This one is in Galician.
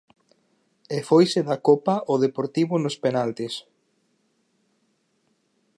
E foise da Copa o Deportivo nos penaltis.